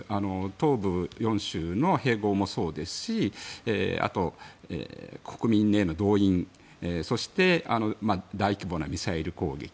東部４州の併合もそうですしあと、国民への動員そして大規模なミサイル攻撃。